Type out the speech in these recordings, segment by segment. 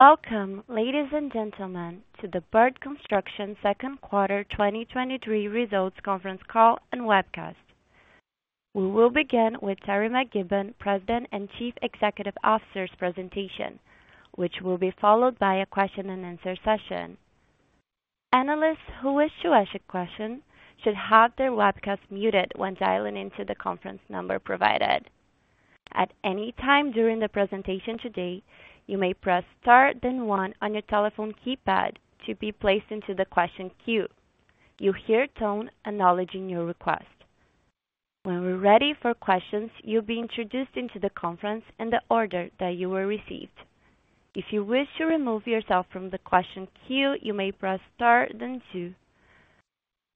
Welcome, ladies and gentlemen, to the Bird Construction Second Quarter 2023 Results Conference Call and Webcast. We will begin with Teri McKibbon, President and Chief Executive Officer's presentation, which will be followed by a question and answer session. Analysts who wish to ask a question should have their webcast muted when dialing into the conference number provided. At any time during the presentation today, you may press Star, then one on your telephone keypad to be placed into the question queue. You'll hear a tone acknowledging your request. When we're ready for questions, you'll be introduced into the conference in the order that you were received. If you wish to remove yourself from the question queue, you may press Star then two.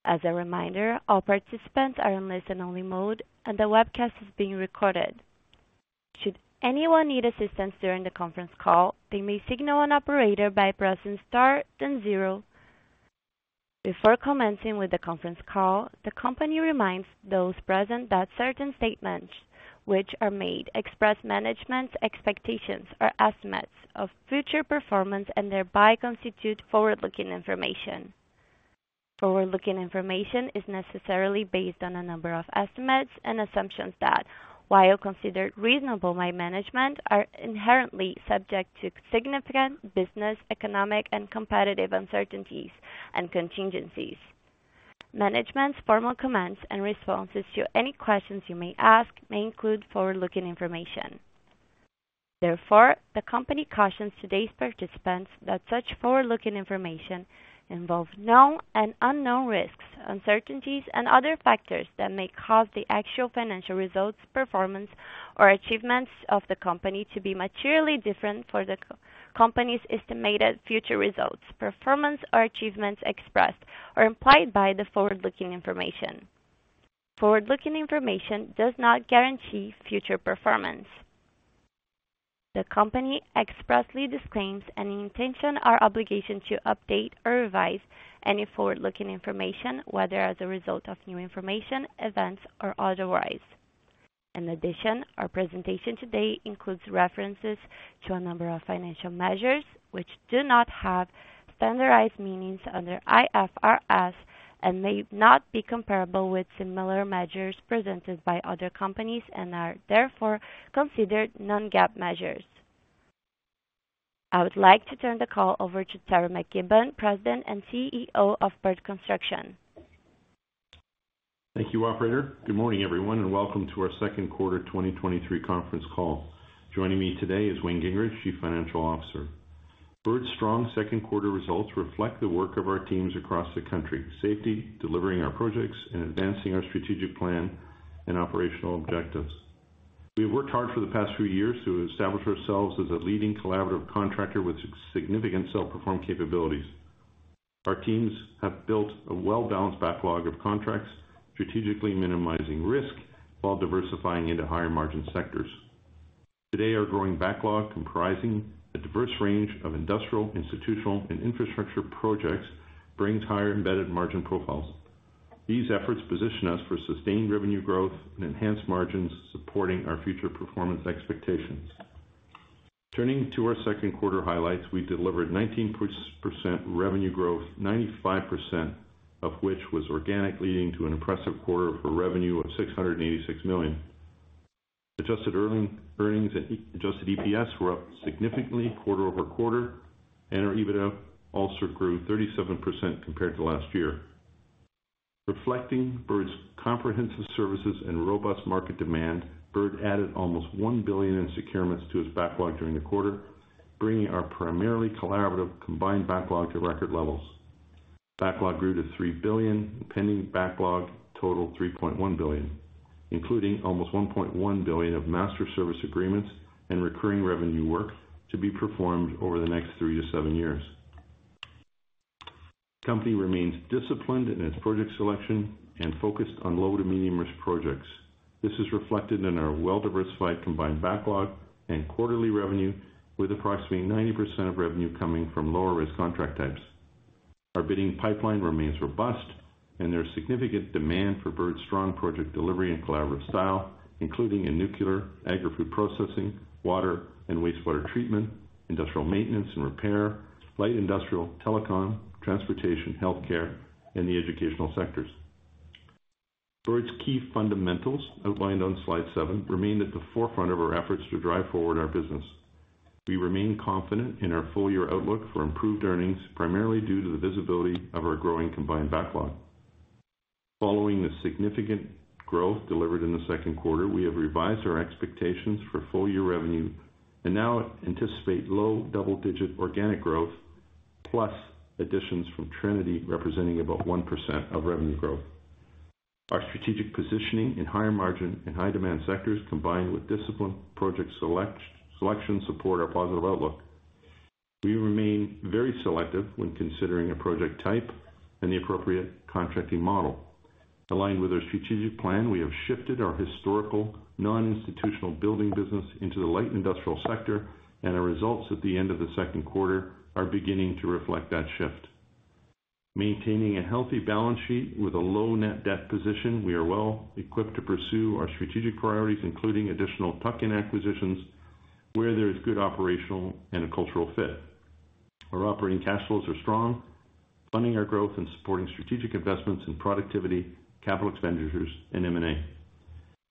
As a reminder, all participants are in listen-only mode and the webcast is being recorded. Should anyone need assistance during the conference call, they may signal an operator by pressing Star then zero. Before commencing with the conference call, the company reminds those present that certain statements which are made express management's expectations or estimates of future performance and thereby constitute forward-looking information. Forward-looking information is necessarily based on a number of estimates and assumptions that, while considered reasonable by management, are inherently subject to significant business, economic, and competitive uncertainties and contingencies. Management's formal comments and responses to any questions you may ask may include forward-looking information. Therefore, the company cautions today's participants that such forward-looking information involves known and unknown risks, uncertainties, and other factors that may cause the actual financial results, performance, or achievements of the company to be materially different for the co-company's estimated future results, performance, or achievements expressed or implied by the forward-looking information. Forward-looking information does not guarantee future performance. The company expressly disclaims any intention or obligation to update or revise any forward-looking information, whether as a result of new information, events, or otherwise. In addition, our presentation today includes references to a number of financial measures which do not have standardized meanings under IFRS and may not be comparable with similar measures presented by other companies and are therefore considered non-GAAP measures. I would like to turn the call over to Teri McKibbon, President and CEO of Bird Construction. Thank you, operator. Good morning, everyone, and welcome to our second quarter 2023 conference call. Joining me today is Wayne Gingrich, Chief Financial Officer. Bird's strong second quarter results reflect the work of our teams across the country, safety, delivering our projects, and advancing our strategic plan and operational objectives. We have worked hard for the past few years to establish ourselves as a leading collaborative contractor with significant self-performed capabilities. Our teams have built a well-balanced backlog of contracts, strategically minimizing risk while diversifying into higher margin sectors. Today, our growing backlog, comprising a diverse range of industrial, institutional, and infrastructure projects, brings higher embedded margin profiles. These efforts position us for sustained revenue growth and enhanced margins, supporting our future performance expectations. Turning to our second quarter highlights, we delivered 19.6% revenue growth, 95% of which was organic, leading to an impressive quarter for revenue of 686 million. Adjusted earnings and adjusted EPS were up significantly quarter-over-quarter, our EBITDA also grew 37% compared to last year. Reflecting Bird's comprehensive services and robust market demand, Bird added almost 1 billion in securements to its backlog during the quarter, bringing our primarily collaborative combined backlog to record levels. Backlog grew to 3 billion, pending backlog totaled 3.1 billion, including almost 1.1 billion of master service agreements and recurring revenue work to be performed over the next 3-7 years. The company remains disciplined in its project selection and focused on low-to-medium risk projects. This is reflected in our well-diversified combined backlog and quarterly revenue, with approximately 90% of revenue coming from lower-risk contract types. Our bidding pipeline remains robust, and there's significant demand for Bird's strong project delivery and collaborative style, including in nuclear, agri-food processing, water and wastewater treatment, industrial maintenance and repair, light industrial, telecom, transportation, healthcare, and the educational sectors. Bird's key fundamentals outlined on slide 7 remain at the forefront of our efforts to drive forward our business. We remain confident in our full-year outlook for improved earnings, primarily due to the visibility of our growing combined backlog. Following the significant growth delivered in the second quarter, we have revised our expectations for full-year revenue and now anticipate low double-digit organic growth, plus additions from Trinity, representing about 1% of revenue growth. Our strategic positioning in higher margin and high demand sectors, combined with disciplined project selection, support our positive outlook. We remain very selective when considering a project type and the appropriate contracting model. Aligned with our strategic plan, we have shifted our historical non-institutional building business into the light industrial sector, and our results at the end of the second quarter are beginning to reflect that shift. Maintaining a healthy balance sheet with a low net debt position, we are well equipped to pursue our strategic priorities, including additional tuck-in acquisitions, where there is good operational and a cultural fit. Our operating cash flows are strong, funding our growth and supporting strategic investments in productivity, capital expenditures, and M&A.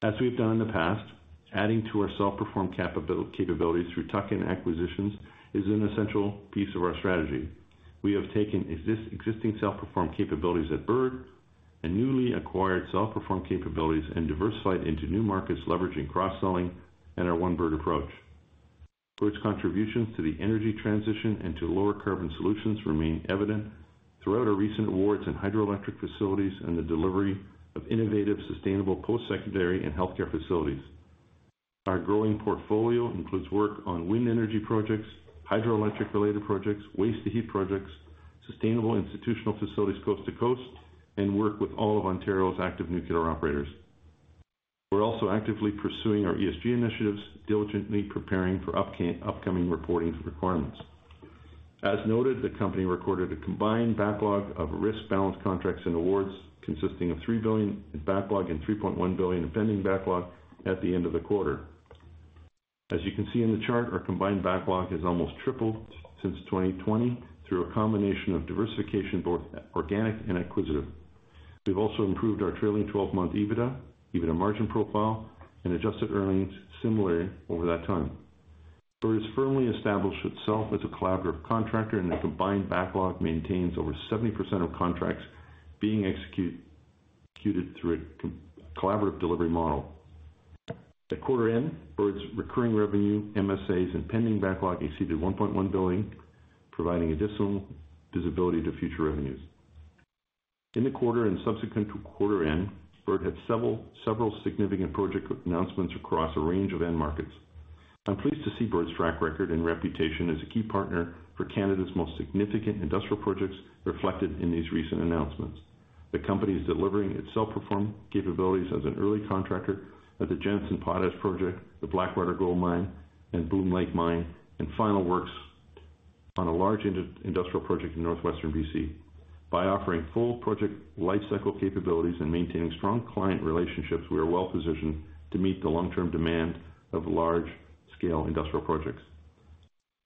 As we've done in the past, adding to our self-perform capabilities through tuck-in acquisitions is an essential piece of our strategy. We have taken existing self-perform capabilities at Bird, newly acquired self-perform capabilities, and diversified into new markets, leveraging cross-selling and our One Bird approach. Bird's contributions to the energy transition and to lower carbon solutions remain evident throughout our recent awards in hydroelectric facilities and the delivery of innovative, sustainable post-secondary and healthcare facilities. Our growing portfolio includes work on wind energy projects, hydroelectric-related projects, waste-to-heat projects, sustainable institutional facilities coast to coast, and work with all of Ontario's active nuclear operators. We're also actively pursuing our ESG initiatives, diligently preparing for upcoming reporting requirements. As noted, the company recorded a combined backlog of risk balanced contracts and awards, consisting of 3 billion in backlog and 3.1 billion in pending backlog at the end of the quarter. As you can see in the chart, our combined backlog has almost tripled since 2020 through a combination of diversification, both organic and acquisitive. We've also improved our trailing 12-month EBITDA, adjusted EBITDA margin profile, and adjusted earnings similarly over that time. Bird has firmly established itself as a collaborative contractor, and the combined backlog maintains over 70% of contracts being executed through a collaborative delivery model. At quarter end, Bird's recurring revenue, MSAs, and pending backlog exceeded 1.1 billion, providing additional visibility to future revenues. In the quarter and subsequent to quarter end, Bird had several significant project announcements across a range of end markets. I'm pleased to see Bird's track record and reputation as a key partner for Canada's most significant industrial projects reflected in these recent announcements. The company is delivering its self-perform capabilities as an early contractor at the Jansen Potash Project, the Blackwater Gold Mine, and Bloom Lake Mine, and final works on a large industrial project in northwestern BC. By offering full project lifecycle capabilities and maintaining strong client relationships, we are well positioned to meet the long-term demand of large-scale industrial projects.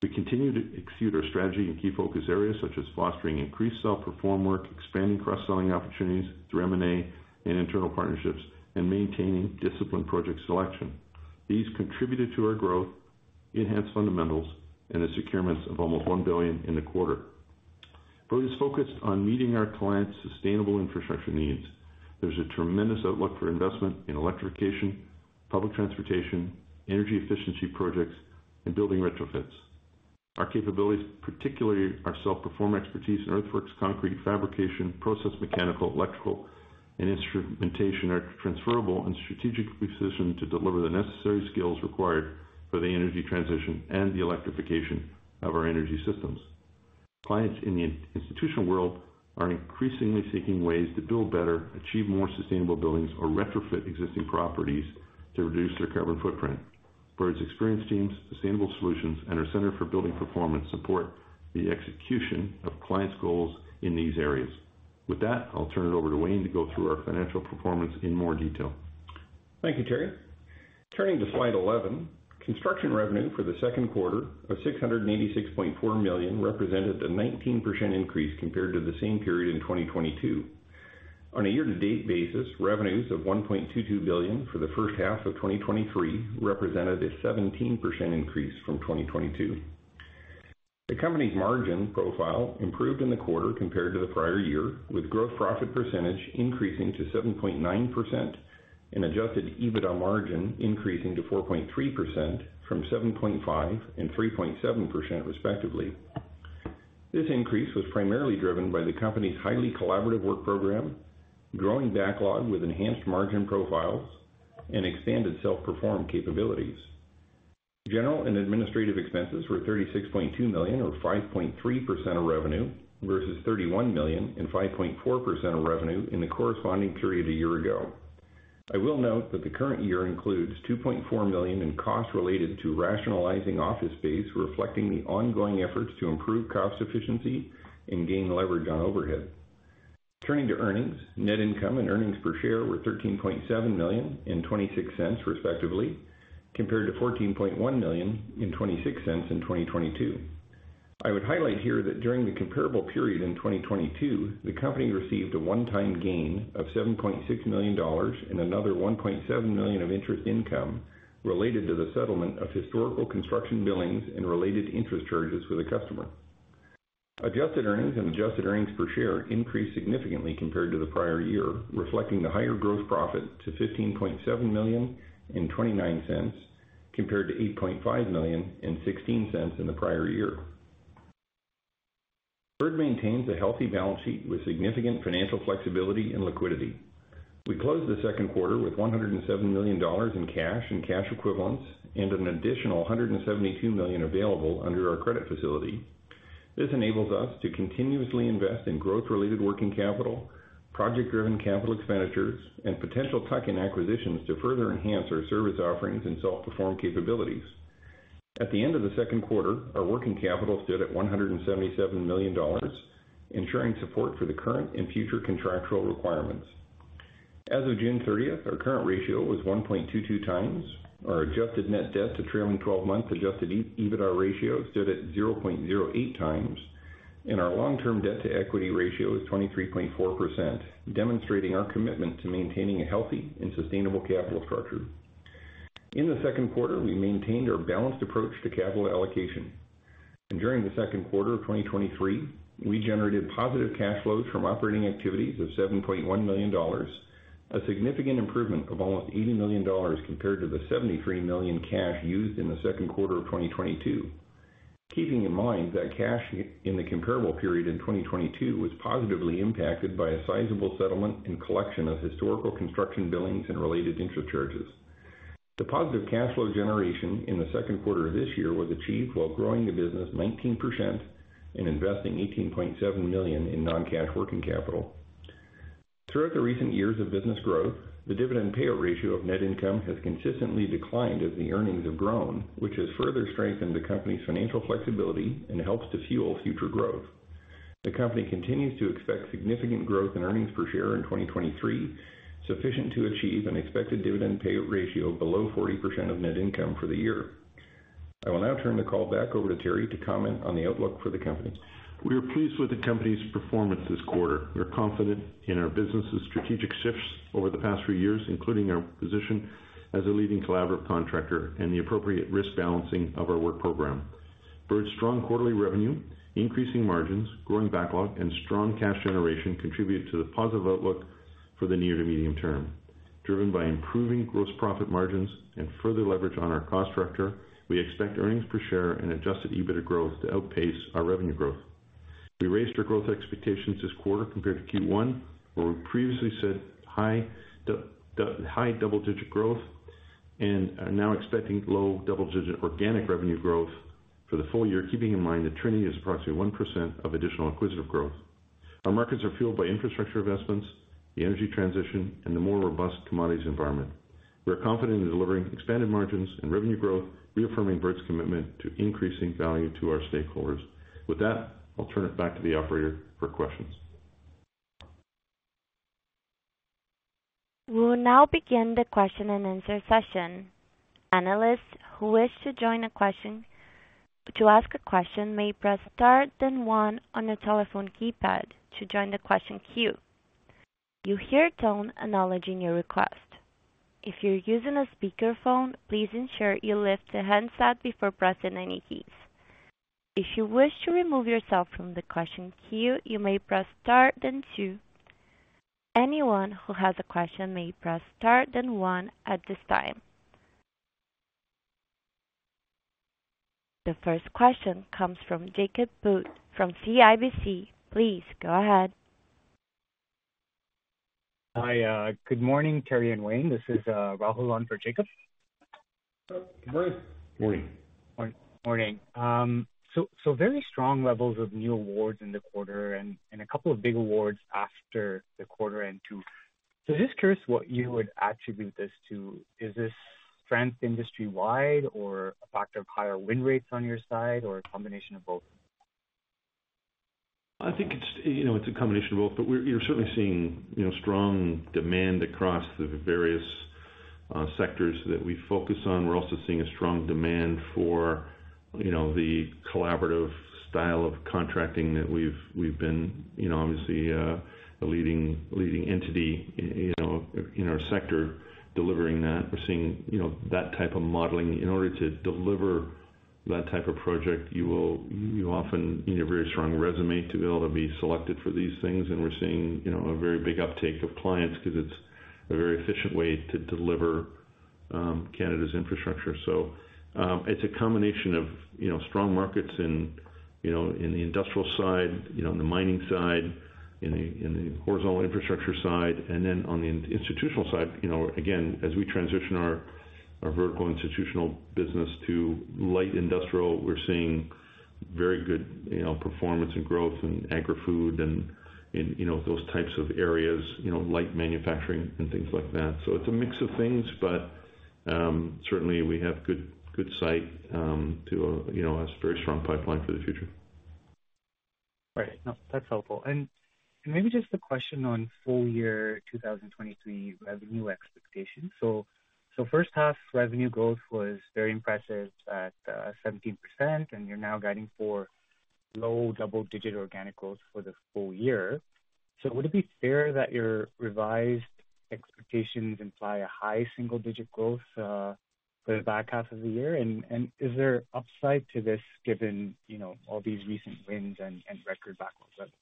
We continue to execute our strategy in key focus areas, such as fostering increased self-perform work, expanding cross-selling opportunities through M&A and internal partnerships, and maintaining disciplined project selection. These contributed to our growth, enhanced fundamentals, and the securements of almost 1 billion in the quarter. Bird is focused on meeting our clients' sustainable infrastructure needs. There's a tremendous outlook for investment in electrification, public transportation, energy efficiency projects, and building retrofits. Our capabilities, particularly our self-perform expertise in earthworks, concrete, fabrication, process, mechanical, electrical, and instrumentation, are transferable and strategically positioned to deliver the necessary skills required for the energy transition and the electrification of our energy systems. Clients in the institutional world are increasingly seeking ways to build better, achieve more sustainable buildings, or retrofit existing properties to reduce their carbon footprint. Bird's experienced teams, sustainable solutions, and our Centre for Building Performance support the execution of clients' goals in these areas. With that, I'll turn it over to Wayne to go through our financial performance in more detail. Thank you, Teri. Turning to slide 11, construction revenue for the second quarter of 686.4 million represented a 19% increase compared to the same period in 2022. On a year-to-date basis, revenues of 1.22 billion for the first half of 2023 represented a 17% increase from 2022. The company's margin profile improved in the quarter compared to the prior year, with gross profit percentage increasing to 7.9% and adjusted EBITDA margin increasing to 4.3% from 7.5% and 3.7% respectively. This increase was primarily driven by the company's highly collaborative work program, growing backlog with enhanced margin profiles, and expanded self-perform capabilities. General and administrative expenses were 36.2 million, or 5.3% of revenue, versus 31 million and 5.4% of revenue in the corresponding period a year ago. I will note that the current year includes 2.4 million in costs related to rationalizing office space, reflecting the ongoing efforts to improve cost efficiency and gain leverage on overhead. Turning to earnings, net income and earnings per share were 13.7 million and 0.26, respectively, compared to 14.1 million and 0.26 in 2022. I would highlight here that during the comparable period in 2022, the company received a one-time gain of 7.6 million dollars and another 1.7 million of interest income related to the settlement of historical construction billings and related interest charges with a customer. Adjusted earnings and adjusted earnings per share increased significantly compared to the prior year, reflecting the higher gross profit to 15.7 million and 0.29, compared to 8.5 million and 0.16 in the prior year. Bird maintains a healthy balance sheet with significant financial flexibility and liquidity. We closed the second quarter with 107 million dollars in cash and cash equivalents and an additional 172 million available under our credit facility. This enables us to continuously invest in growth-related working capital, project-driven capital expenditures, and potential tuck-in acquisitions to further enhance our service offerings and self-perform capabilities....At the end of the second quarter, our working capital stood at 177 million dollars, ensuring support for the current and future contractual requirements. As of June 30th, our current ratio was 1.22 times. Our adjusted net debt to trailing 12 months adjusted EBITDAR ratio stood at 0.08 times, and our long-term debt to equity ratio is 23.4%, demonstrating our commitment to maintaining a healthy and sustainable capital structure. In the second quarter, we maintained our balanced approach to capital allocation, and during the second quarter of 2023, we generated positive cash flows from operating activities of 7.1 million dollars, a significant improvement of almost 80 million dollars compared to the 73 million cash used in the second quarter of 2022. Keeping in mind that cash in the comparable period in 2022 was positively impacted by a sizable settlement and collection of historical construction billings and related interest charges. The positive cash flow generation in the second quarter of this year was achieved while growing the business 19% and investing 18.7 million in non-cash working capital. Throughout the recent years of business growth, the dividend payout ratio of net income has consistently declined as the earnings have grown, which has further strengthened the company's financial flexibility and helps to fuel future growth. The company continues to expect significant growth in earnings per share in 2023, sufficient to achieve an expected dividend payout ratio below 40% of net income for the year. I will now turn the call back over to Teri to comment on the outlook for the company. We are pleased with the company's performance this quarter. We are confident in our business's strategic shifts over the past few years, including our position as a leading collaborative contractor and the appropriate risk balancing of our work program. Bird's strong quarterly revenue, increasing margins, growing backlog, and strong cash generation contributed to the positive outlook for the near to medium term. Driven by improving gross profit margins and further leverage on our cost structure, we expect earnings per share and adjusted EBIT growth to outpace our revenue growth. We raised our growth expectations this quarter compared to Q1, where we previously said high High double-digit growth, and are now expecting low double-digit organic revenue growth for the full year, keeping in mind that Trinity is approximately 1% of additional acquisitive growth. Our markets are fueled by infrastructure investments, the energy transition, and the more robust commodities environment. We are confident in delivering expanded margins and revenue growth, reaffirming Bird's commitment to increasing value to our stakeholders. With that, I'll turn it back to the operator for questions. We will now begin the question and answer session. Analysts who wish to ask a question, may press star, then 1 on your telephone keypad to join the question queue. You'll hear a tone acknowledging your request. If you're using a speakerphone, please ensure you lift the handset before pressing any keys. If you wish to remove yourself from the question queue, you may press star then 2. Anyone who has a question may press star then 1 at this time. The first question comes from Jacob Bout from CIBC. Please go ahead. Hi, good morning, Teri and Wayne. This is Rahul, in for Jacob. Good morning. Morning. Morning. So, so very strong levels of new awards in the quarter and, and a couple of big awards after the quarter end, too. Just curious what you would attribute this to. Is this strength industry-wide or a factor of higher win rates on your side, or a combination of both? I think it's, you know, it's a combination of both. We're, we're certainly seeing, you know, strong demand across the various sectors that we focus on. We're also seeing a strong demand for, you know, the collaborative style of contracting that we've, we've been, you know, obviously, a leading, leading entity, you know, in our sector, delivering that. We're seeing, you know, that type of modeling. In order to deliver that type of project, you will, you often need a very strong resume to be able to be selected for these things, and we're seeing, you know, a very big uptake of clients because it's a very efficient way to deliver Canada's infrastructure. It's a combination of strong markets in the industrial side, in the mining side, in the horizontal infrastructure side, and then on the institutional side, again, as we transition our vertical institutional business to light industrial, we're seeing very good performance and growth in agri-food and in those types of areas, light manufacturing and things like that. It's a mix of things, but certainly we have good, good sight to a very strong pipeline for the future. Right. No, that's helpful. Maybe just a question on full year 2023 revenue expectations. First half revenue growth was very impressive at 17%, and you're now guiding for low double-digit organic growth for the full year. Would it be fair that your revised expectations imply a high single digit growth for the back half of the year? Is there upside to this, given, you know, all these recent wins and record backlogs of it?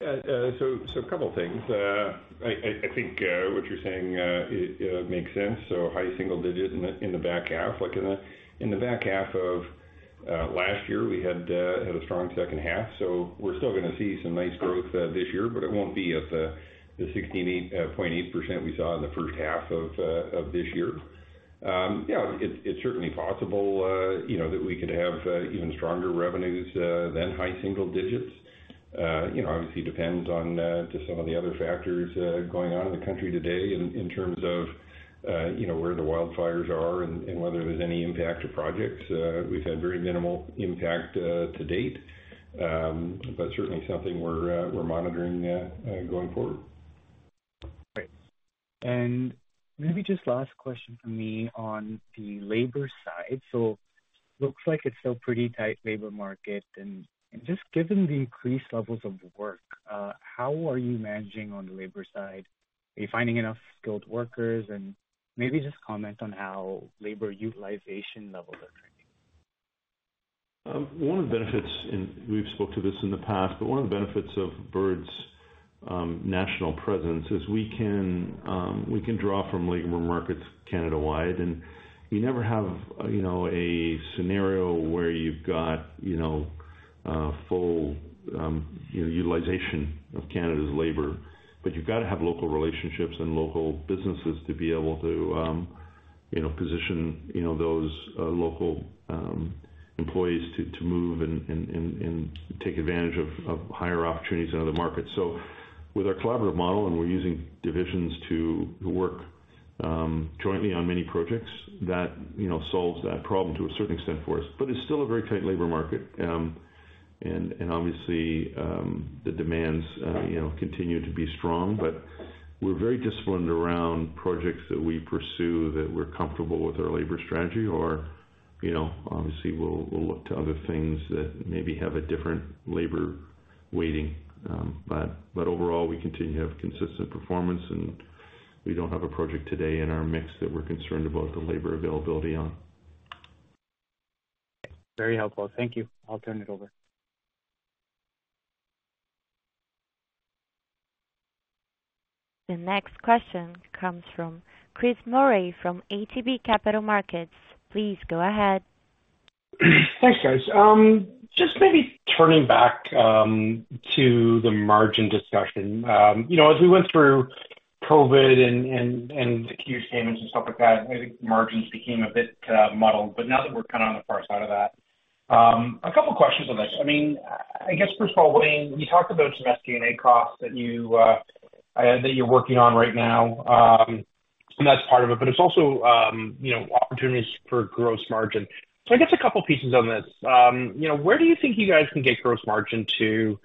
A couple things. I, I, I think what you're saying makes sense. High single digit in the, in the back half, like in the, in the back half of last year, we had had a strong second half, so we're still gonna see some nice growth this year, but it won't be at the, the 16.8% we saw in the first half of this year. Yeah, it's, it's certainly possible, you know, that we could have even stronger revenues than high single digits. You know, obviously depends on just some of the other factors going on in the country today in, in terms of, you know, where the wildfires are and, and whether there's any impact to projects. We've had very minimal impact to date, but certainly something we're monitoring going forward. Great. Maybe just last question from me on the labor side. Looks like it's still pretty tight labor market, and just given the increased levels of work, how are you managing on the labor side? Are you finding enough skilled workers? Maybe just comment on how labor utilization levels are trending. One of the benefits, and we've spoke to this in the past, but one of the benefits of Bird's national presence is we can, we can draw from labor markets Canada-wide, and you never have, you know, a scenario where you've got, you know, full, you know, utilization of Canada's labor. You've got to have local relationships and local businesses to be able to, you know, position, you know, those local employees to, to move and, and, and, and take advantage of, of higher opportunities in other markets. With our collaborative model, and we're using divisions to work, jointly on many projects, that, you know, solves that problem to a certain extent for us. It's still a very tight labor market. Obviously, the demands, you know, continue to be strong, but we're very disciplined around projects that we pursue, that we're comfortable with our labor strategy or, you know, obviously, we'll, we'll look to other things that maybe have a different labor weighting. Overall, we continue to have consistent performance, and we don't have a project today in our mix that we're concerned about the labor availability on. Very helpful. Thank you. I'll turn it over. The next question comes from Chris Murray from ATB Capital Markets. Please go ahead. Thanks, guys. Just maybe turning back to the margin discussion. You know, as we went through COVID and, and, and the Q statements and stuff like that, I think margins became a bit muddled. Now that we're kind of on the far side of that, a couple questions on this. I mean, I guess, first of all, Wayne, you talked about some SG&A costs that you're working on right now. And that's part of it, but it's also, you know, opportunities for gross margin. I guess a couple pieces on this. You know, where do you think you guys can get gross margin to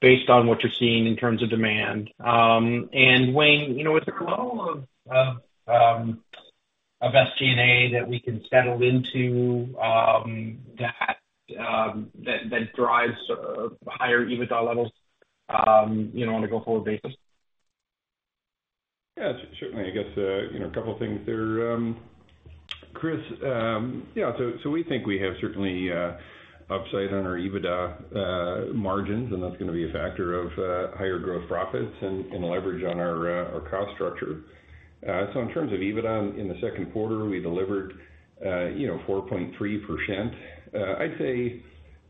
based on what you're seeing in terms of demand? Wayne, you know, is there a level of SG&A that we can settle into that drives higher EBITDA levels, you know, on a go-forward basis? Yeah, certainly, I guess, you know, a couple things there, Chris. Yeah, we think we have certainly, upside on our EBITDA, margins, and that's gonna be a factor of, higher growth profits and, and leverage on our, our cost structure. In terms of EBITDA in the second quarter, we delivered, you know, 4.3%. I'd say,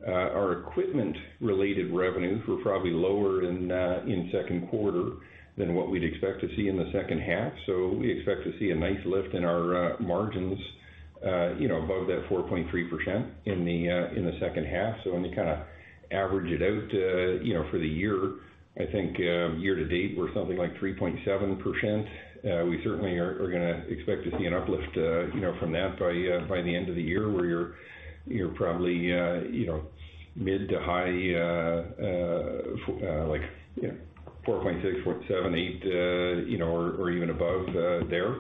our equipment-related revenues were probably lower in, in second quarter than what we'd expect to see in the second half. We expect to see a nice lift in our, margins, you know, above that 4.3% in the, in the second half. When you kinda average it out, you know, for the year, I think, year to date, we're something like 3.7%. We certainly are, are gonna expect to see an uplift, you know, from that by the end of the year, where you're, you're probably, you know, mid to high, like, you know, 4.6, 4.7, 8, you know, or, or even above there.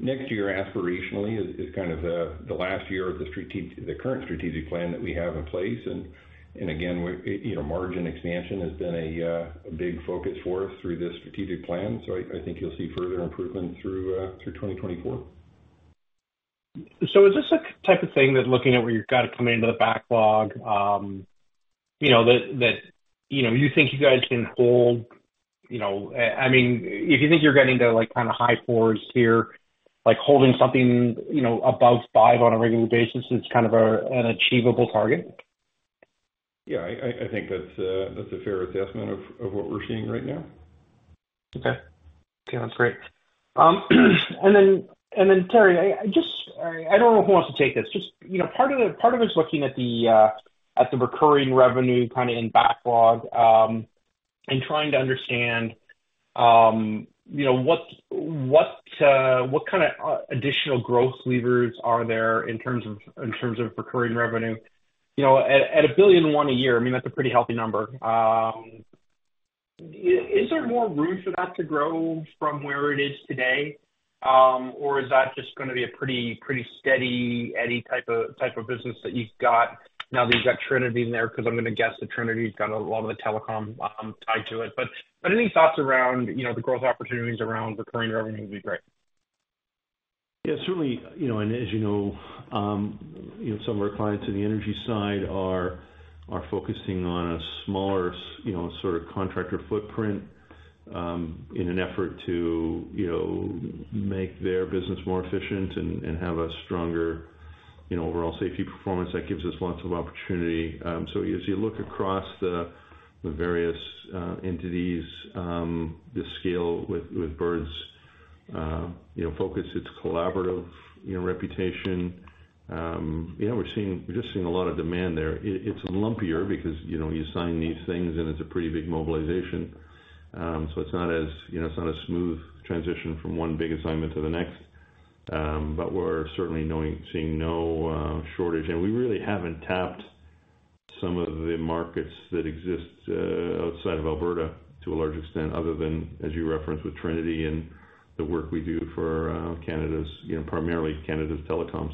Next year, aspirationally, is, is kind of the, the last year of the current strategic plan that we have in place. Again, you know, margin expansion has been a big focus for us through this strategic plan, so I, I think you'll see further improvement through 2024. Is this a type of thing that's looking at where you've got to come into the backlog, you know, that, that, you know, you think you guys can hold, you know? I mean, if you think you're getting to, like, kind of high 4s here, like holding something, you know, above 5 on a regular basis is kind of an achievable target? Yeah, I, I, I think that's, that's a fair assessment of, of what we're seeing right now. Okay. Sounds great. Then, and then, Teri, I, I don't know who wants to take this. Just, you know, part of the, part of it is looking at the at the recurring revenue kind of in backlog, and trying to understand, you know, what, what kind of additional growth levers are there in terms of, in terms of recurring revenue? You know, at, at 1.1 billion a year, I mean, that's a pretty healthy number. Is there more room for that to grow from where it is today, or is that just gonna be a pretty, pretty steady Eddie type of, type of business that you've got now that you've got Trinity in there? Because I'm gonna guess that Trinity's got a lot of the telecom, tied to it. Any thoughts around, you know, the growth opportunities around recurring revenue would be great. Yeah, certainly, you know, and as you know, you know, some of our clients in the energy side are, are focusing on a smaller, you know, sort of contractor footprint, in an effort to, you know, make their business more efficient and, and have a stronger, you know, overall safety performance that gives us lots of opportunity. As you look across the various entities, the scale with Bird's, you know, focus its collaborative, you know, reputation. You know, we're just seeing a lot of demand there. It, it's lumpier because, you know, you sign these things, and it's a pretty big mobilization. It's not as, you know, it's not a smooth transition from one big assignment to the next. We're certainly seeing no shortage. We really haven't tapped some of the markets that exist, outside of Alberta to a large extent, other than, as you referenced, with Trinity and the work we do for, Canada's, you know, primarily Canada's telecoms.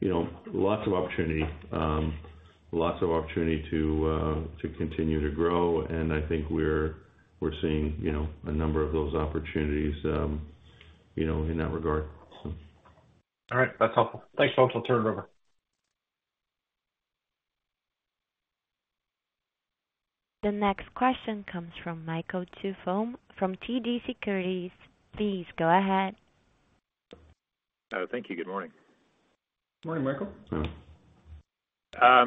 You know, lots of opportunity. Lots of opportunity to continue to grow, and I think we're, we're seeing, you know, a number of those opportunities, you know, in that regard. All right. That's helpful. Thanks, folks. I'll turn it over. The next question comes from Michael Tuvo from TD Securities. Please go ahead. Thank you. Good morning. Good morning, Michael.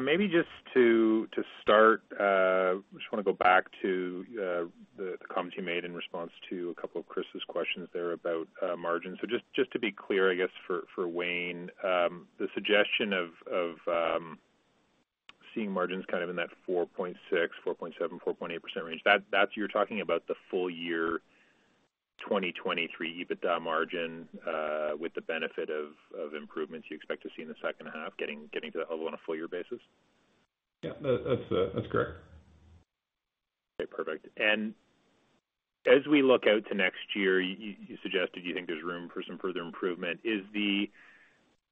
Maybe just to, to start, I just wanna go back to the, the comments you made in response to a couple of Chris's questions there about margins. Just, just to be clear, I guess, for, for Wayne, the suggestion of, of seeing margins kind of in that 4.6, 4.7, 4.8% range, that's you're talking about the full year 2023 EBITDA margin, with the benefit of, of improvements you expect to see in the second half, getting, getting to that level on a full year basis? Yeah, that, that's, that's correct. Okay, perfect. And as we look out to next year, you, you suggested you think there's room for some further improvement. Is the,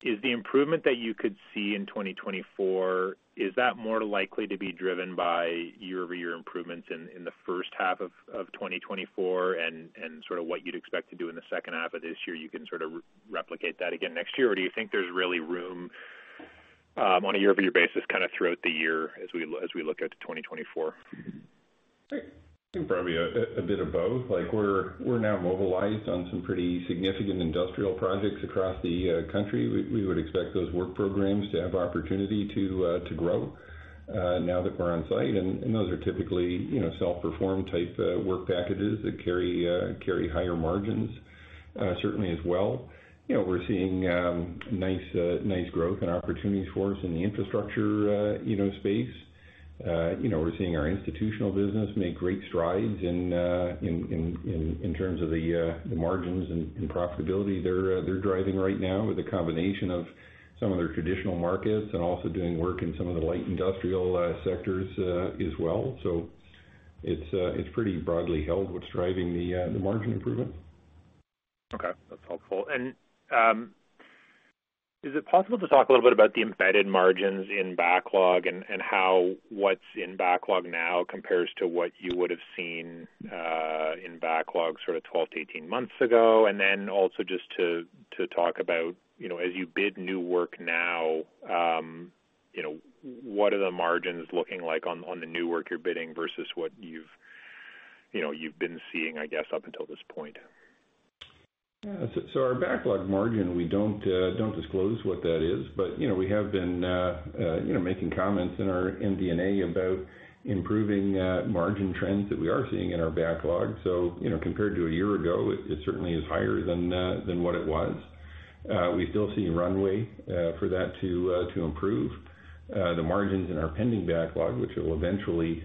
is the improvement that you could see in 2024, is that more likely to be driven by year-over-year improvements in, in the first half of, of 2024, and, and sort of what you'd expect to do in the second half of this year, you can sort of re-replicate that again next year? Or do you think there's really room on a year-over-year basis kind of throughout the year as we look out to 2024? I think probably a, a bit of both. Like, we're, we're now mobilized on some pretty significant industrial projects across the country. We, we would expect those work programs to have opportunity to grow now that we're on site. And, and those are typically, you know, self-performed type work packages that carry higher margins certainly as well. You know, we're seeing nice nice growth and opportunities for us in the infrastructure, you know, space. You know, we're seeing our institutional business make great strides in terms of the margins and profitability they're driving right now, with a combination of some of their traditional markets and also doing work in some of the light industrial sectors as well. It's pretty broadly held, what's driving the, the margin improvement. Okay, that's helpful. Is it possible to talk a little bit about the embedded margins in backlog and, and how what's in backlog now compares to what you would have seen, in backlog sort of 12-18 months ago? Then also just to, to talk about, you know, as you bid new work now, you know, what are the margins looking like on, on the new work you're bidding versus what you've, you know, you've been seeing, I guess, up until this point? Yeah. Our backlog margin, we don't disclose what that is, but, you know, we have been, you know, making comments in our MD&A about improving margin trends that we are seeing in our backlog. You know, compared to a year ago, it certainly is higher than what it was. We still see runway for that to improve. The margins in our pending backlog, which will eventually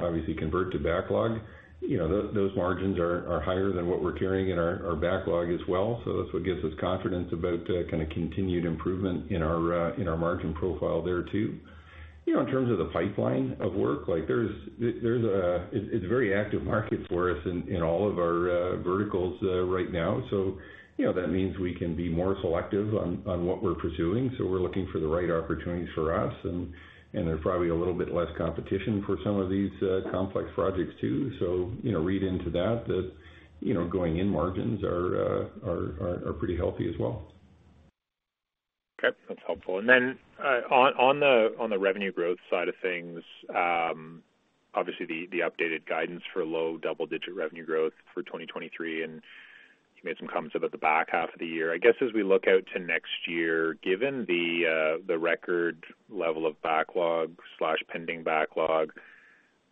obviously convert to backlog, you know, those margins are higher than what we're carrying in our backlog as well. That's what gives us confidence about kind of continued improvement in our margin profile there, too. You know, in terms of the pipeline of work, like there's a... It's, it's a very active market for us in, in all of our verticals right now. You know, that means we can be more selective on, on what we're pursuing, so we're looking for the right opportunities for us, and, and there's probably a little bit less competition for some of these complex projects, too. You know, read into that, that, you know, going-in margins are, are, are pretty healthy as well. Okay, that's helpful. Then, on, on the, on the revenue growth side of things, obviously, the, the updated guidance for low double-digit revenue growth for 2023, and you made some comments about the back half of the year. I guess, as we look out to next year, given the, the record level of backlog slash pending backlog,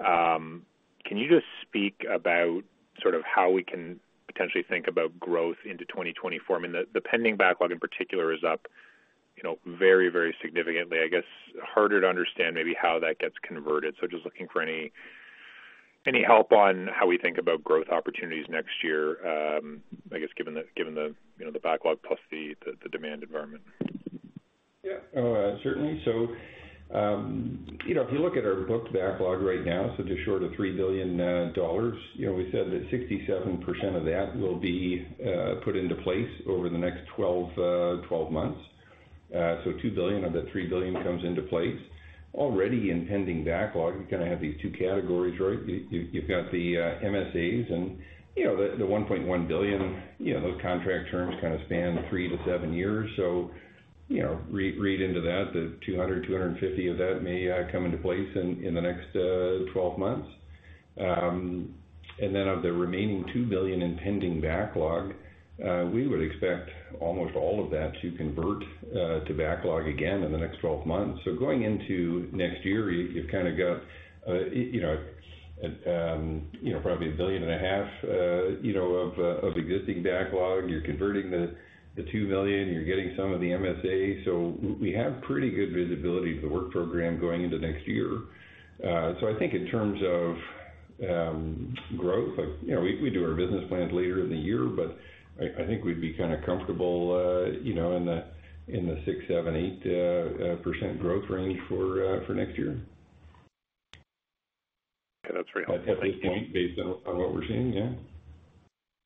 can you just speak about sort of how we can potentially think about growth into 2024? I mean, the, the pending backlog in particular is up, you know, very, very significantly. I guess, harder to understand maybe how that gets converted. Just looking for any, any help on how we think about growth opportunities next year, I guess, given the, given the, you know, the backlog plus the, the, the demand environment. Yeah. Certainly. You know, if you look at our booked backlog right now, just short of 3 billion dollars, you know, we said that 67% of that will be put into place over the next 12, 12 months. 2 billion of that 3 billion comes into place. Already in pending backlog, you kind of have these two categories, right? You, you, you've got the MSAs and, you know, the, the 1.1 billion. You know, those contract terms kind of span 3 to 7 years. You know, read, read into that, the 200 million, 250 million of that may come into place in the next 12 months.... Of the remaining 2 billion in pending backlog, we would expect almost all of that to convert to backlog again in the next 12 months. Going into next year, you've kind of got, you know, probably 1.5 billion of existing backlog. You're converting the 2 billion, you're getting some of the MSA. We have pretty good visibility of the work program going into next year. In terms of growth, like, you know, we do our business plans later in the year, but I think we'd be kind of comfortable in the 6%, 7%, 8% growth range for next year. Okay, that's very helpful. At this point, based on, on what we're seeing. Yeah.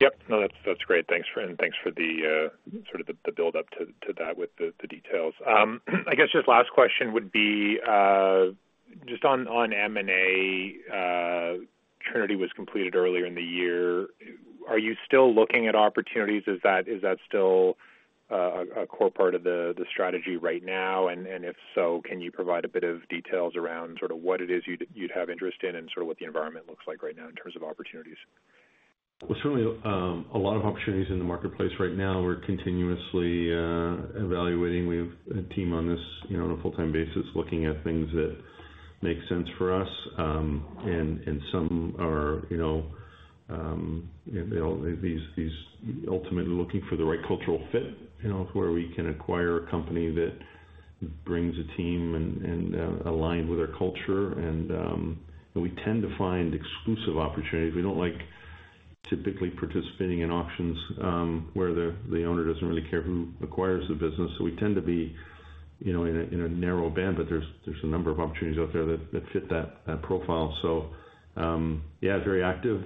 Yep. No, that's, that's great. Thanks for- and thanks for the sort of the, the build up to, to that with the, the details. I guess just last question would be just on, on M&A. Trinity was completed earlier in the year. Are you still looking at opportunities? Is that, is that still a core part of the, the strategy right now? If so, can you provide a bit of details around sort of what it is you'd, you'd have interest in, and sort of what the environment looks like right now in terms of opportunities? Well, certainly, a lot of opportunities in the marketplace right now. We're continuously evaluating. We have a team on this, you know, on a full-time basis, looking at things that make sense for us. Some are, you know, you know, these, these ultimately looking for the right cultural fit, you know, where we can acquire a company that brings a team and aligned with our culture. We tend to find exclusive opportunities. We don't like typically participating in auctions, where the, the owner doesn't really care who acquires the business. We tend to be, you know, in a, in a narrow band, but there's, there's a number of opportunities out there that, that fit that, that profile. Yeah, very active.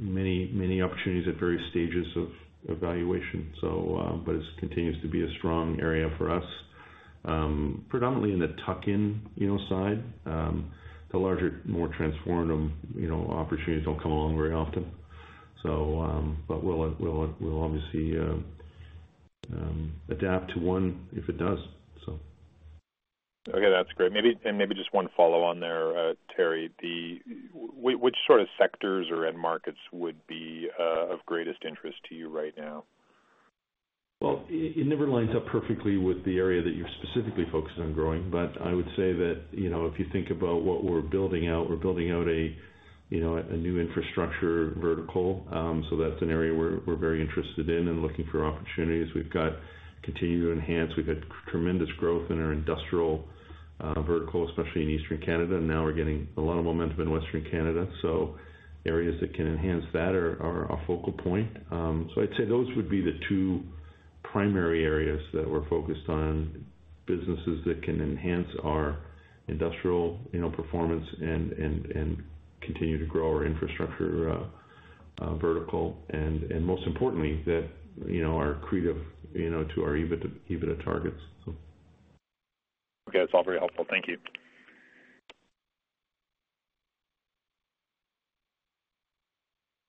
Many, many opportunities at various stages of evaluation. But it continues to be a strong area for us, predominantly in the tuck-in, you know, side. The larger, more transformative, you know, opportunities don't come along very often. But we'll, we'll, we'll obviously adapt to one if it does, so. Okay, that's great. Maybe, just one follow on there, Teri. Which sort of sectors or end markets would be of greatest interest to you right now? Well, it, it never lines up perfectly with the area that you're specifically focused on growing, but I would say that, you know, if you think about what we're building out, we're building out a, you know, a new infrastructure vertical. That's an area we're, we're very interested in and looking for opportunities. We've got continue to enhance. We've had tremendous growth in our industrial vertical, especially in Eastern Canada, and now we're getting a lot of momentum in Western Canada. Areas that can enhance that are, are our focal point. I'd say those would be the two primary areas that we're focused on, businesses that can enhance our industrial, you know, performance and, and, and continue to grow our infrastructure vertical, and, and most importantly, that, you know, are accretive, you know, to our EBIT, EBITDA targets. Okay. It's all very helpful. Thank you.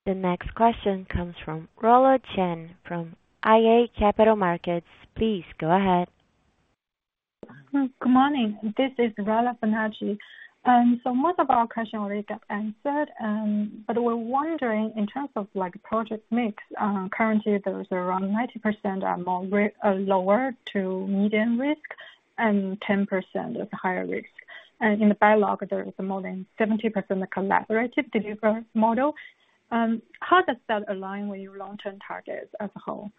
The next question comes from Rola Chen from iA Capital Markets. Please go ahead. Good morning. This is Rola Chen. Most of our questions already got answered, but we're wondering in terms of like project mix, currently, there is around 90% are more lower to medium risk and 10% is higher risk. In the backlog, there is more than 70% collaborative delivery model. How does that align with your long-term targets as a whole?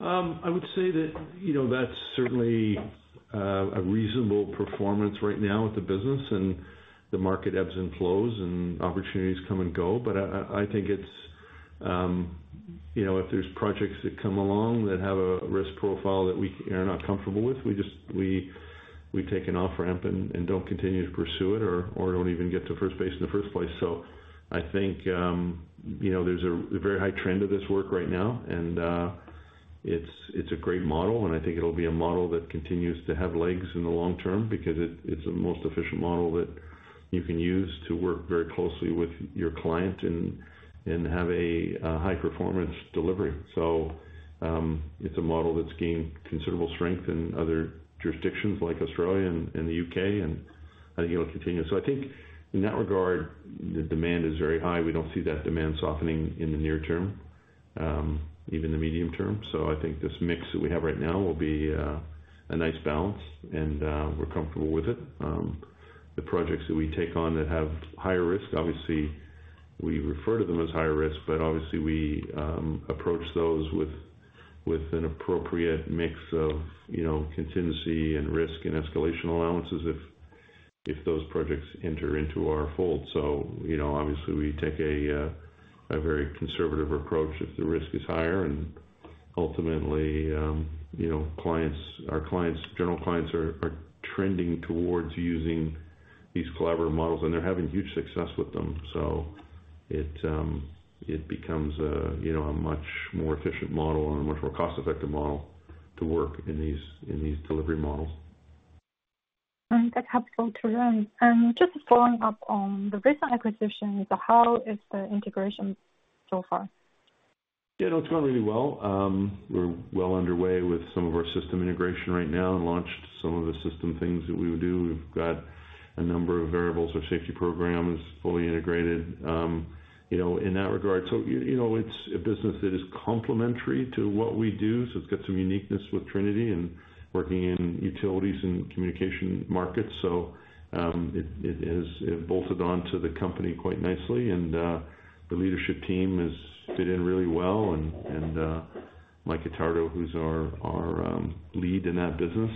I would say that, you know, that's certainly, a reasonable performance right now with the business, and the market ebbs and flows, and opportunities come and go. I, I, I think it's, you know, if there's projects that come along that have a risk profile that we are not comfortable with, we, we take an off-ramp and, and don't continue to pursue it or, or don't even get to first base in the first place. I think, you know, there's a, a very high trend of this work right now, and it's, it's a great model, and I think it'll be a model that continues to have legs in the long term, because it, it's the most efficient model that you can use to work very closely with your client and, and have a, a high performance delivery. It's a model that's gained considerable strength in other jurisdictions like Australia and the UK, and I think it'll continue. I think in that regard, the demand is very high. We don't see that demand softening in the near term, even the medium term. I think this mix that we have right now will be a nice balance, and we're comfortable with it. The projects that we take on that have higher risk, obviously, we refer to them as higher risk, but obviously we approach those with an appropriate mix of, you know, contingency and risk and escalation allowances if those projects enter into our fold. You know, obviously, we take a very conservative approach if the risk is higher. Ultimately, you know, clients, our clients, general clients are, are trending towards using these collaborative models, and they're having huge success with them. It, it becomes a, you know, a much more efficient model and a much more cost-effective model to work in these, in these delivery models. That's helpful, Teri. Just following up on the recent acquisition, how is the integration so far? Yeah, no, it's going really well. We're well underway with some of our system integration right now and launched some of the system things that we would do. We've got a number of variables, our safety program is fully integrated, you know, in that regard. You, you know, it's a business that is complementary to what we do, so it's got some uniqueness with Trinity and working in utilities and communication markets. It, it has, it bolted on to the company quite nicely, and the leadership team has fit in really well. Mike Attardo, who's our, our, lead in that business,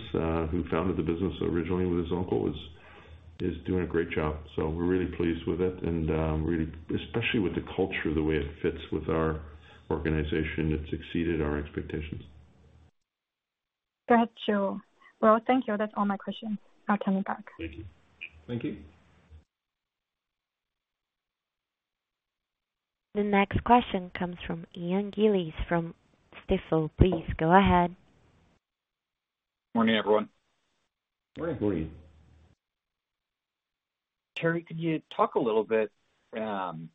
who founded the business originally with his uncle, is, is doing a great job. We're really pleased with it and, really especially with the culture, the way it fits with our organization, it's exceeded our expectations. Got you. Well, thank you. That's all my questions. I'll come back. Thank you. Thank you. The next question comes from Ian Gillies from Stifel. Please go ahead. Morning, everyone. Morning. Morning. Teri, could you talk a little bit on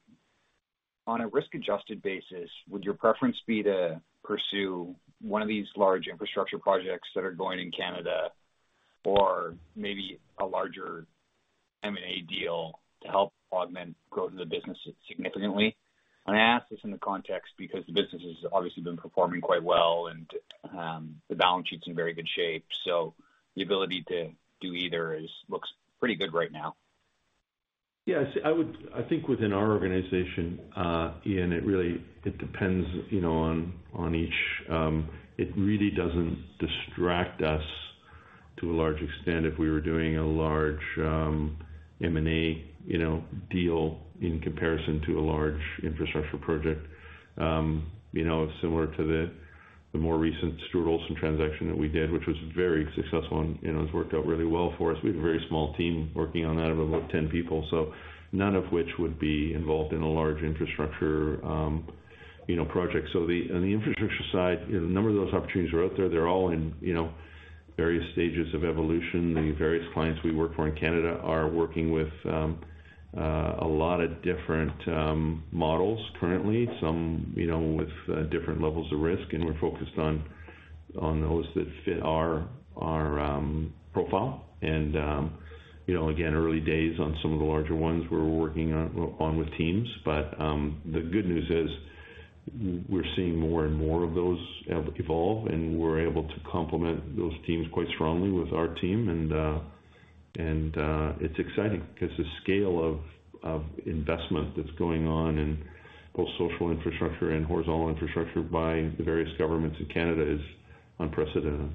a risk-adjusted basis, would your preference be to pursue one of these large infrastructure projects that are going in Canada or maybe a larger M&A deal to help augment growth in the business significantly? I ask this in the context because the business has obviously been performing quite well and the balance sheet's in very good shape, so the ability to do either is looks pretty good right now. Yes, I think within our organization, Ian, it really, it depends, you know, on, on each. It really doesn't distract us to a large extent if we were doing a large M&A, you know, deal in comparison to a large infrastructure project. You know, similar to the, the more recent Stuart Olson transaction that we did, which was very successful and, you know, it's worked out really well for us. We had a very small team working on that of about 10 people, so none of which would be involved in a large infrastructure, you know, project. The, on the infrastructure side, you know, a number of those opportunities are out there. They're all in, you know, various stages of evolution. The various clients we work for in Canada are working with a lot of different models currently, some, you know, with different levels of risk. We're focused on those that fit our, our profile. You know, again, early days on some of the larger ones we're working on with teams. The good news is, we're seeing more and more of those evolve. We're able to complement those teams quite strongly with our team. It's exciting because the scale of investment that's going on in both social infrastructure and horizontal infrastructure by the various governments in Canada is unprecedented.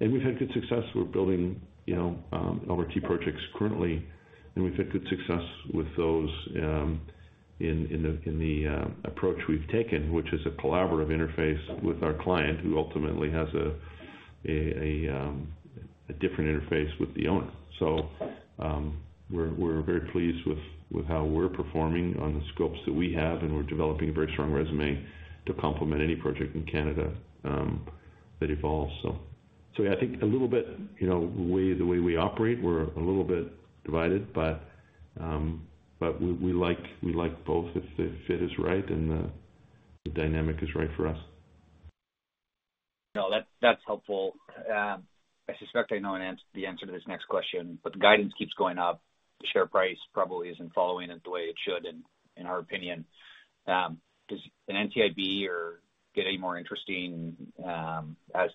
We've had good success. We're building, you know, LRT projects currently, and we've had good success with those, in the approach we've taken, which is a collaborative interface with our client, who ultimately has a different interface with the owner. We're very pleased with how we're performing on the scopes that we have, and we're developing a very strong resume to complement any project in Canada that evolves. Yeah, I think a little bit, you know, the way, the way we operate, we're a little bit divided, but we like, we like both if the fit is right and the dynamic is right for us. No, that, that's helpful. I suspect I know an answer, the answer to this next question, but the guidance keeps going up. The share price probably isn't following it the way it should, in our opinion. Does an NCIB get any more interesting at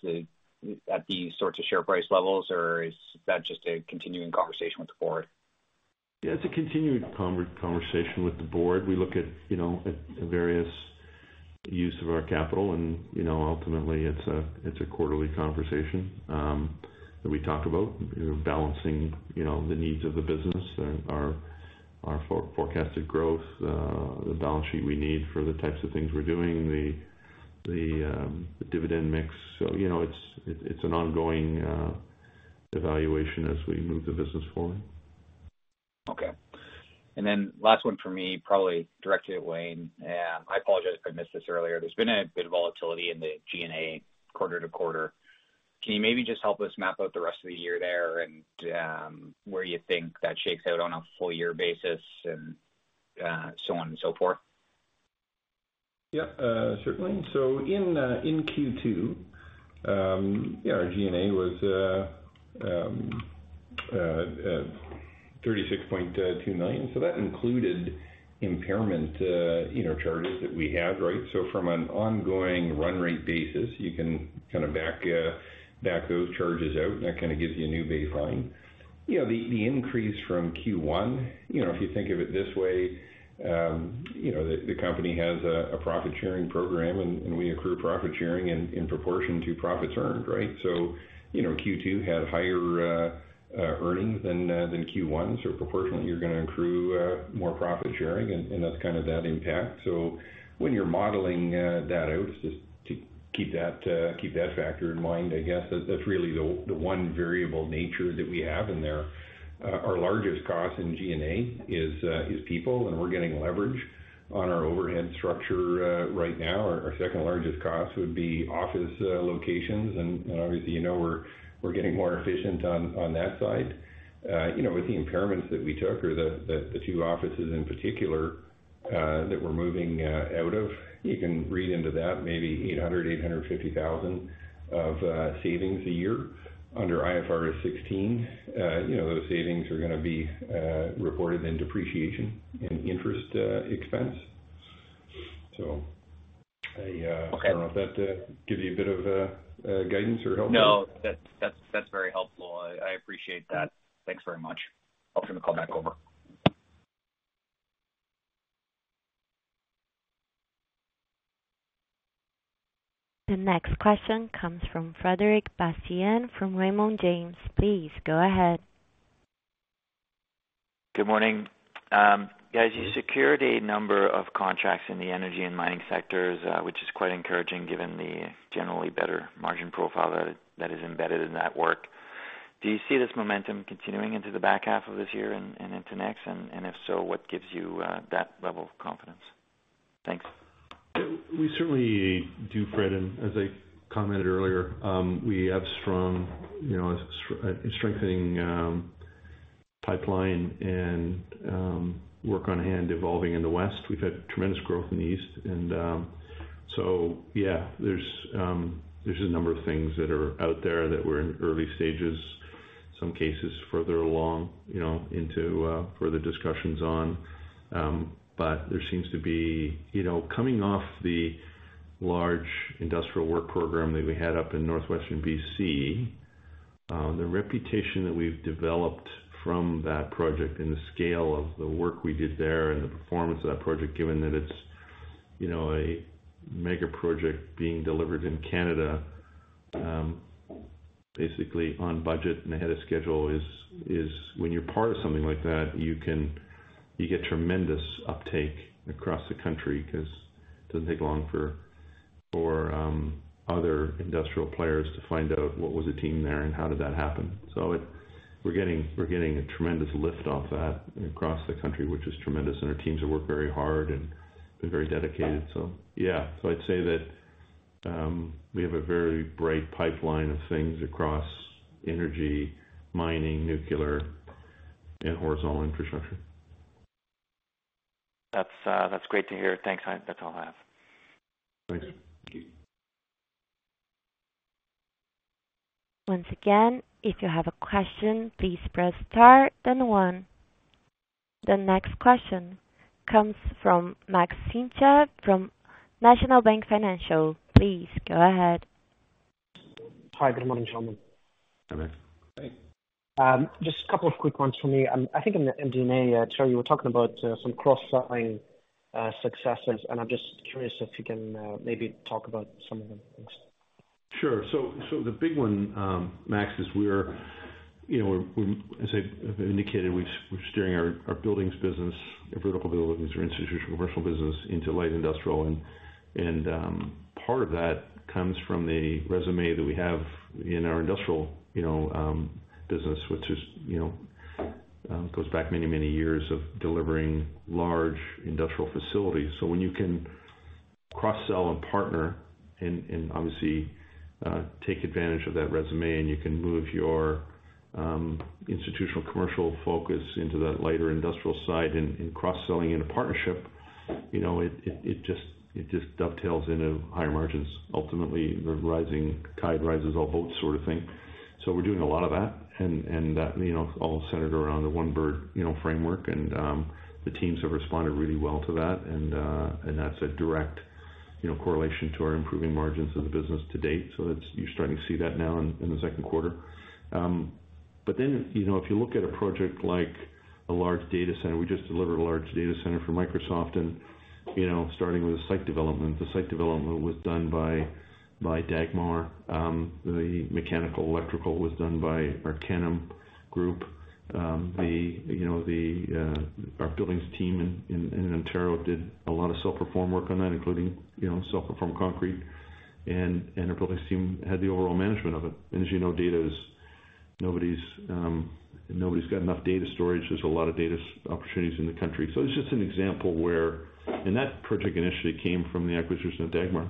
these sorts of share price levels, or is that just a continuing conversation with the board? Yeah, it's a continuing conversation with the board. We look at, you know, at the various use of our capital, and, you know, ultimately it's a, it's a quarterly conversation that we talk about, you know, balancing, you know, the needs of the business and our forecasted growth, the balance sheet we need for the types of things we're doing, the, the, the dividend mix. You know, it's, it, it's an ongoing evaluation as we move the business forward. Okay. Then last one for me, probably directly at Wayne. I apologize if I missed this earlier. There's been a bit of volatility in the G&A quarter to quarter. Can you maybe just help us map out the rest of the year there and, where you think that shakes out on a full year basis and, so on and so forth? Yeah, certainly. In Q2, yeah, our G&A was CAD 36.2 million. That included impairment, you know, charges that we had, right? From an ongoing run rate basis, you can kind of back, back those charges out, and that kind of gives you a new baseline. You know, the, the increase from Q1, you know, if you think of it this way, you know, the, the company has a, a profit sharing program, and, and we accrue profit sharing in, in proportion to profits earned, right? You know, Q2 had higher, earnings than, than Q1, so proportionally, you're gonna accrue, more profit sharing, and, and that's kind of that impact. When you're modeling that out, just to keep that, keep that factor in mind, I guess that, that's really the, the 1 variable nature that we have in there. Our largest cost in G&A is people, and we're getting leverage on our overhead structure right now. Our 2nd largest cost would be office locations. Obviously, you know, we're getting more efficient on that side. You know, with the impairments that we took or the 2 offices in particular that we're moving out of, you can read into that maybe 800,000-850,000 of savings a year. Under IFRS 16, you know, those savings are gonna be reported in depreciation and interest expense. I, I don't know if that gives you a bit of guidance or help? No, that, that's, that's very helpful. I, I appreciate that. Thanks very much. I'll turn the call back over. The next question comes from Frederic Bastien from Raymond James. Please go ahead. Good morning. Guys, you secured a number of contracts in the energy and mining sectors, which is quite encouraging, given the generally better margin profile that, that is embedded in that work. Do you see this momentum continuing into the back half of this year and into next? If so, what gives you that level of confidence? Thanks. We certainly do, Fred. As I commented earlier, we have strong, you know, strengthening pipeline and work on hand evolving in the West. We've had tremendous growth in the East. Yeah, there's a number of things that are out there that we're in early stages, some cases further along, you know, into further discussions on. There seems to be... You know, coming off the large industrial work program that we had up in northwestern BC, the reputation that we've developed from that project and the scale of the work we did there and the performance of that project, given that it's, you know, a mega project being delivered in Canada, basically on budget and ahead of schedule, is, is when you're part of something like that, you get tremendous uptake across the country, 'cause it doesn't take long for, for, other industrial players to find out what was the team there and how did that happen. We're getting, we're getting a tremendous lift off that across the country, which is tremendous, and our teams have worked very hard and been very dedicated. Yeah, so I'd say that we have a very bright pipeline of things across energy, mining, nuclear, and horizontal infrastructure. That's, that's great to hear. Thanks. That's all I have. Thanks. Once again, if you have a question, please press Star then One. The next question comes from Maxim Sytchev from National Bank Financial. Please go ahead. Hi, good morning, gentlemen. Hi, Max. Hey. Just a couple of quick ones for me. I think in the Q&A, Teri, you were talking about some cross-selling successes, and I'm just curious if you can maybe talk about some of them. Thanks. Sure. The big one, Max, is we're, you know, as I've indicated, we're steering our buildings business, our vertical buildings, our institutional commercial business into light industrial. Part of that comes from the resume that we have in our industrial, you know, business, which is, you know, goes back many, many years of delivering large industrial facilities. When you can cross-sell and partner obviously, take advantage of that resume, and you can move your institutional commercial focus into that lighter industrial side and cross-selling in a partnership, you know, it just dovetails into higher margins. Ultimately, the rising tide rises all boats sort of thing. We're doing a lot of that that, you know, all centered around the One Bird, you know, framework. The teams have responded really well to that. That's a direct, you know, correlation to our improving margins in the business to date. It's, you're starting to see that now in, in the second quarter. Then, you know, if you look at a project like a large data center, we just delivered a large data center for Microsoft and, you know, starting with the site development. The site development was done by, by Dagmar. The mechanical electrical was done by our Tandem Group. The, you know, the, our buildings team in, in, in Ontario did a lot of self-perform work on that, including, you know, self-perform concrete, and, and our buildings team had the overall management of it. As you know, data is nobody's, nobody's got enough data storage. There's a lot of data opportunities in the country. It's just an example where... That project initially came from the acquisition of Dagmar.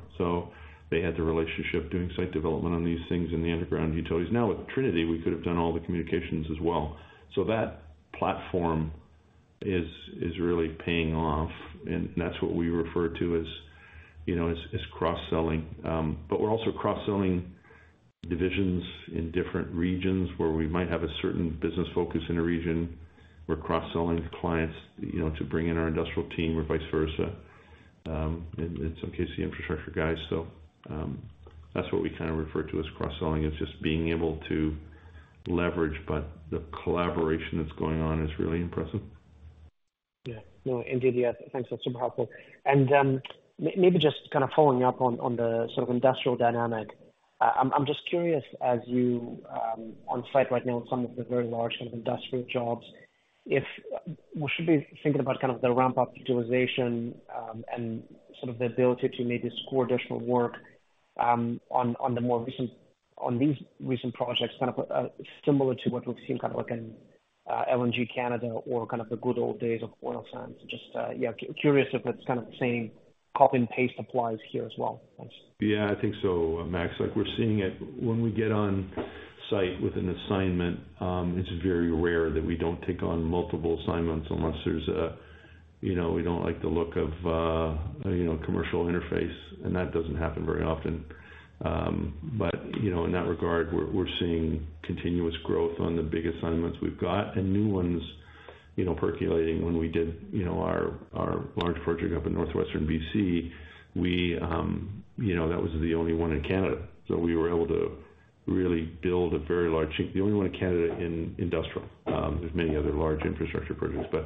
They had the relationship doing site development on these things in the underground utilities. Now, with Trinity, we could have done all the communications as well. That platform is, is really paying off, and that's what we refer to as, you know, as, as cross-selling. But we're also cross-selling divisions in different regions, where we might have a certain business focus in a region. We're cross-selling clients, you know, to bring in our industrial team or vice versa, and in some cases, the infrastructure guys. That's what we kind of refer to as cross-selling. It's just being able to leverage, but the collaboration that's going on is really impressive. Yeah. No, indeed, yes. Thanks, that's super helpful. Maybe just kind of following up on, on the sort of industrial dynamic. I'm, I'm just curious, as you on site right now in some of the very large sort of industrial jobs, if we should be thinking about kind of the ramp-up utilization, and sort of the ability to maybe score additional work on, on the more recent- on these recent projects, kind of, similar to what we've seen kind of like in LNG Canada or kind of the good old days of oil sands. Just, yeah, curious if it's kind of the same copy and paste applies here as well? Thanks. Yeah, I think so, Max. Like, we're seeing it. When we get on site with an assignment, it's very rare that we don't take on multiple assignments unless there's a, you know, we don't like the look of, you know, commercial interface, and that doesn't happen very often. You know, in that regard, we're, we're seeing continuous growth on the big assignments we've got, and new ones, you know, percolating. When we did, you know, our, our large project up in northwestern BC, we, you know, that was the only one in Canada, so we were able to really build a very large team. The only one in Canada, in industrial, there's many other large infrastructure projects, but,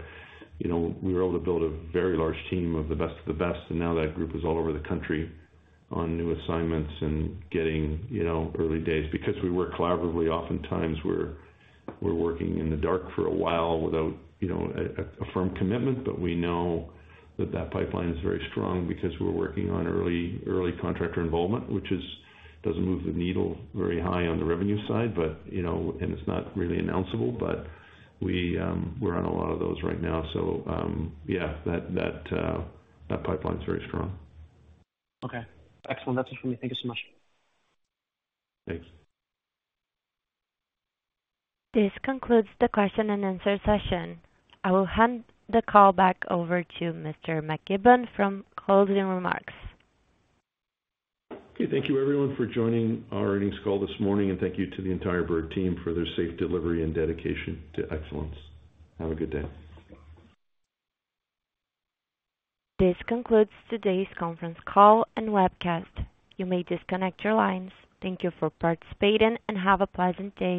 you know, we were able to build a very large team of the best of the best, and now that group is all over the country on new assignments and getting, you know, early days. Because we work collaboratively, oftentimes, we're, we're working in the dark for a while without, you know, a, a, a firm commitment. But we know that that pipeline is very strong because we're working on early, early contractor involvement, which is, doesn't move the needle very high on the revenue side, but, you know, and it's not really announceable, but we, we're on a lot of those right now. Yeah, that, that, that pipeline is very strong. Okay, excellent. That's it for me. Thank you so much. Thanks. This concludes the question and answer session. I will hand the call back over to Mr. McKibbon for closing remarks. Okay. Thank you, everyone, for joining our earnings call this morning, and thank you to the entire Bird team for their safe delivery and dedication to excellence. Have a good day. This concludes today's conference call and webcast. You may disconnect your lines. Thank you for participating, and have a pleasant day.